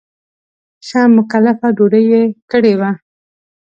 ښه مکلفه ډوډۍ یې کړې وه.